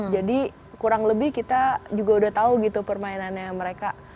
jadi kurang lebih kita juga udah tahu gitu permainannya mereka